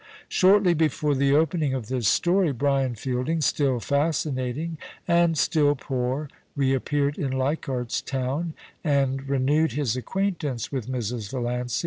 Shortly before the opening of this story Brian Fielding, still fascinating and still poor, reappeared in Leichardt's Town, and renewed his acquaintance with Mrs. Valiancy.